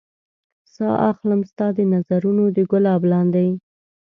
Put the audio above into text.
ساه اخلم ستا د نظرونو د ګلاب لاندې